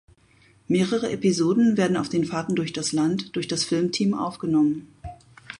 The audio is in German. Mehrere Episoden werden auf den Fahrten durch das Land durch das Filmteam aufgenommen.